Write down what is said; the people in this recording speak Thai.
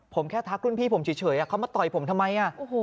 ผมแค่ทักรุ่นพี่ผมเฉยเขามาต่อยผมทำไม